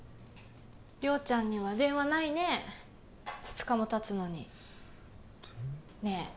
亮ちゃんには電話ないね二日もたつのにねえ